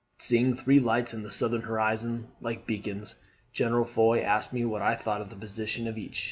Seeing three lights in the southern horizon, like beacons, General Foy asked me what I thought of the position of each.